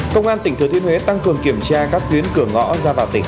công an tỉnh thừa thiên huế tăng cường kiểm tra các tuyến cửa ngõ ra vào tỉnh